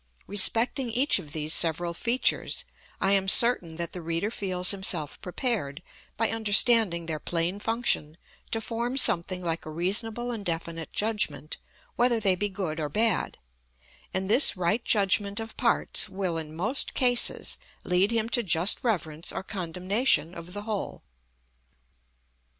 Respecting each of these several features I am certain that the reader feels himself prepared, by understanding their plain function, to form something like a reasonable and definite judgment, whether they be good or bad; and this right judgment of parts will, in most cases, lead him to just reverence or condemnation of the whole.